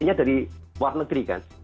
artinya dari luar negeri kan